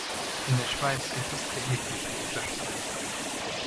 In der Schweiz gibt es erhebliche Unterschiede.